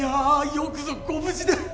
よくぞご無事で。